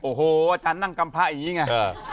โอ้โหอาจารย์นั่งกำพระอย่างนี้ไง